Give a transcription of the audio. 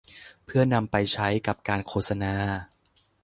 เพื่อนำไปใช้กับการโฆษณา